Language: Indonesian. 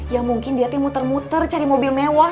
ya mungkin dia tuh muter muter cari mobil mewah